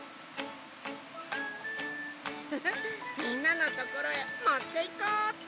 フフみんなのところへもっていこっと！